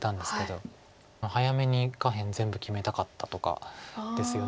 早めに下辺全部決めたかったとかですよね